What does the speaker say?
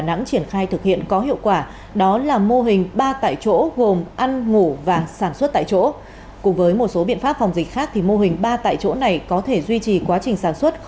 và các khu công nghiệp một phương án ba tại chỗ để giữ tù của tình hình